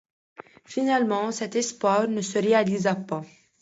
Finalement, cet espoir ne se réalisa pas.